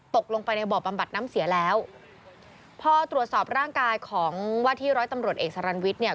ตกลงไปในบ่อบำบัดน้ำเสียแล้วพอตรวจสอบร่างกายของว่าที่ร้อยตำรวจเอกสารันวิทย์เนี่ย